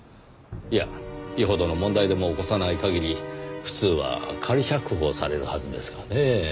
いやよほどの問題でも起こさない限り普通は仮釈放されるはずですがねぇ。